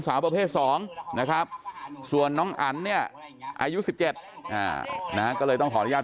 สาวประเภท๒นะครับส่วนน้องอันเนี่ยอายุ๑๗นะก็เลยต้องขออนุญาต